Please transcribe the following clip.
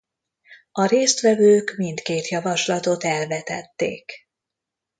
A résztvevők mindkét javaslatot elvetették.